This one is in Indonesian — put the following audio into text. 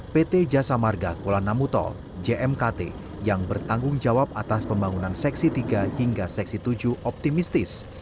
pt jasa marga kuala namu tol jmkt yang bertanggung jawab atas pembangunan seksi tiga hingga seksi tujuh optimistis